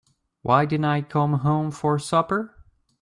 Why didn't I come home for supper?